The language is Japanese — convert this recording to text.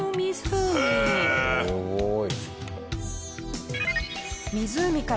すごい。